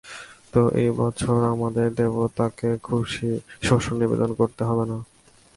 তো এই বছর আমাদের দেবতাকে শস্য নিবেদন করতে হবে না।